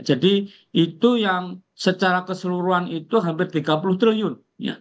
jadi itu yang secara keseluruhan itu hampir tiga puluh triliun